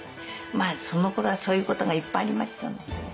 まあそのころはそういうことがいっぱいありましたのでね。